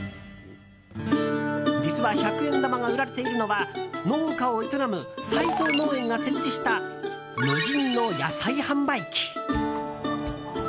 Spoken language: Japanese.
実は、百円玉が売られているのは農家を営む齊藤農園が設置した無人の野菜販売機。